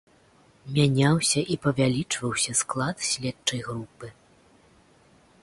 Мяняўся і павялічваўся склад следчай групы.